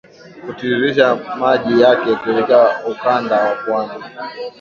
hutiririsha maji yake kuelekea ukanda wa pwani